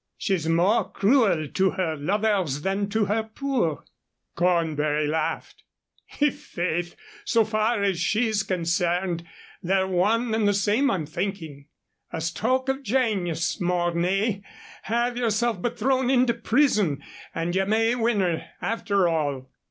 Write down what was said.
"She's more cruel to her lovers than to her poor." Cornbury laughed. "I' faith, so far as she's concerned, they're one and the same, I'm thinking. A stroke of janius, Mornay! Have yourself but thrown into prison, and you may win her, after all."